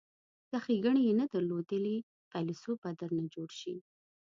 که ښیګڼې یې نه درلودلې فیلسوف به درنه جوړ شي.